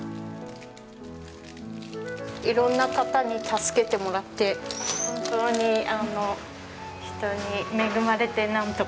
色んな方に助けてもらって本当に人に恵まれてなんとか生きてます。